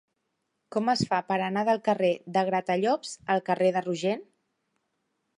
Com es fa per anar del carrer de Gratallops al carrer de Rogent?